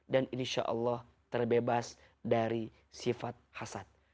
dan insya allah terbebas dari sifat hasad